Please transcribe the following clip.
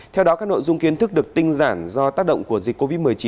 theo đó các nội dung kiến thức được tinh giản do tác động của dịch covid một mươi chín